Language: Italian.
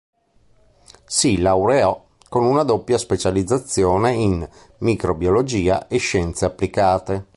Si laureò con una doppia specializzazione in microbiologia e scienze applicate.